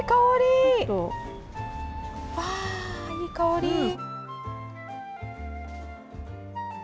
わあー、いい香り。